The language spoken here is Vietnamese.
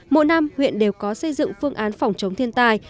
mỗi năm huyện đều có xây dựng phương án phòng chống thiên tai